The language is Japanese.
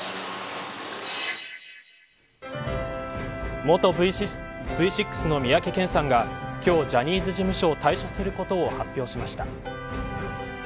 元Ｖ６の三宅健さんが今日、ジャニーズ事務所を退所することを発表しました。